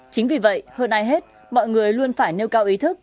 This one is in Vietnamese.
chính vì vậy hơn ai hết mọi người luôn phải nêu cao ý thức